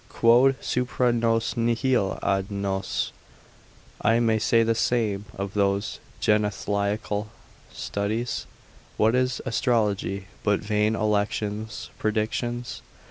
Quod supra nos nihil ad, nos, I may say the same of those genethliacal studies, what is astrology but vain elections, predictions?